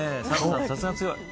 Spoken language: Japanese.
さすが強い。